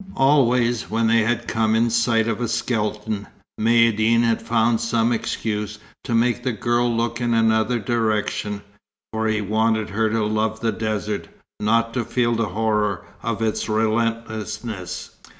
Always when they had come in sight of a skeleton, Maïeddine had found some excuse to make the girl look in another direction; for he wanted her to love the desert, not to feel horror of its relentlessness.